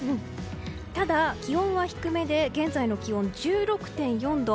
ただ、気温は低めで現在の気温１６．４度。